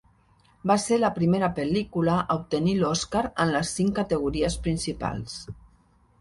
Va ser la primera pel·lícula a obtenir l'Oscar en les cinc categories principals.